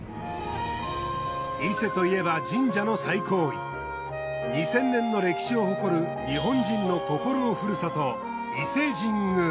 伊勢といえば神社の最高位２０００年の歴史を誇る日本人の心のふるさと。